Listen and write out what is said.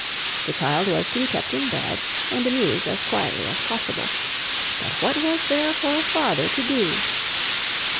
The child was to be kept in bed and amused as quietly as possible; but what was there for a father to do?